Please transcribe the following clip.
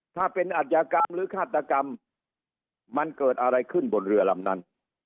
ถ้าเป็นอัธยากรรมหรือฆาตกรรมมันเกิดอะไรขึ้นบนเรือลำนั้น